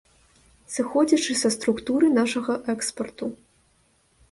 Сыходзячы са структуры нашага экспарту.